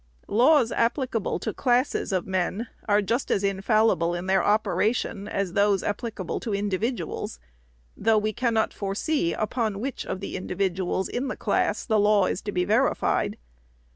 Laws applicable to classes of men are just as infallible in their operation as those applicable to individuals, though we cannot foresee upon which of the individuals in the class the law is to be verified.